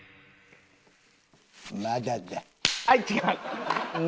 まだだ。